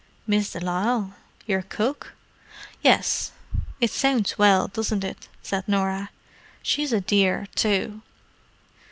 "Miss de Lisle? Your cook?" "Yes—it sounds well, doesn't it?" said Norah. "She's a dear, too."